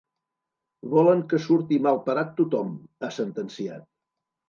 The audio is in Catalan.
Volen que surti malparat tothom, ha sentenciat.